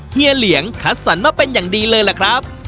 เฮีเหลียงคัดสรรมาเป็นอย่างดีเลยล่ะครับ